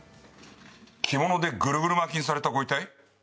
着物でぐるぐる巻きにされたご遺体？